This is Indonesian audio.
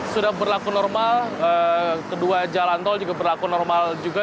sudah berlaku normal kedua jalan tol juga berlaku normal juga